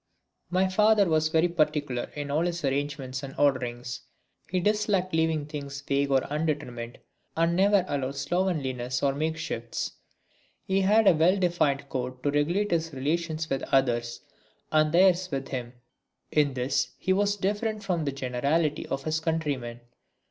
My father was very particular in all his arrangements and orderings. He disliked leaving things vague or undetermined and never allowed slovenliness or makeshifts. He had a well defined code to regulate his relations with others and theirs with him. In this he was different from the generality of his countrymen.